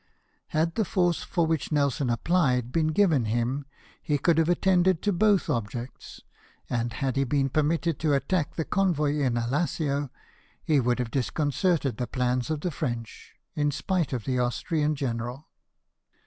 Had the force for which Nelson applied been given him, he could have attended to both objects ; and had he been permitted to attack the convoy in Alassio, he would have dis concerted the plans of the French, in spite of the Austrian general.